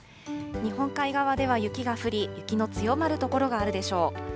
日本海側では雪が降り、雪の強まる所があるでしょう。